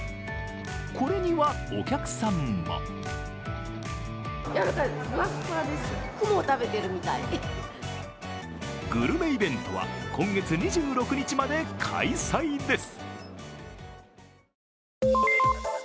これにはお客さんもグルメイベントは今月２６日まで開催です。